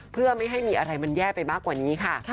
เพื่อไม่ให้มีอะไรมันแย่ไปมากกว่านี้ค่ะ